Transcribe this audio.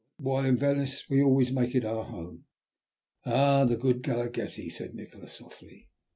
"While in Venice we always make it our home." "Ah! the good Galaghetti," said Nikola softly.